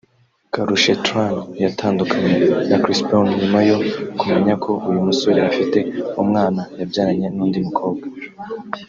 Karrueche Tran yatandukanye na Chris Brown nyuma yo kumenya ko uyu musore afite umwana yabyaranye n’undi mukobwa